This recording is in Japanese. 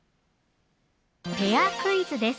ペアクイズです